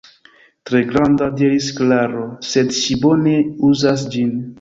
Tre granda, diris Klaro, sed ŝi bone uzas ĝin.